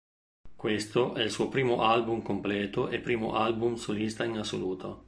Questo è il suo primo album completo e primo album solista in assoluto.